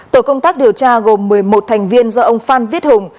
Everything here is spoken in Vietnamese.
tổ công tác điều tra gồm một mươi một thành viên do ông phan viết hùng